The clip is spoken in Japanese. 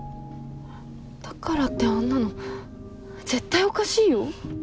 だからってあんなの絶対おかしいよ。